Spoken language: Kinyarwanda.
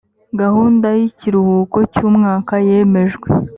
gahunda y ikiruhuko cy umwaka yemejwe